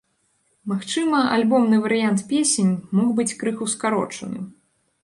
Магчыма, альбомны варыянт песень мог быць крыху скарочаным.